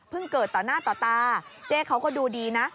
เกิดต่อหน้าต่อตาเจ๊เขาก็ดูดีนะ